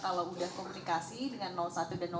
kalau sudah komunikasi dengan satu dan dua